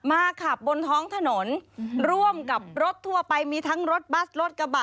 ขับบนท้องถนนร่วมกับรถทั่วไปมีทั้งรถบัสรถกระบะ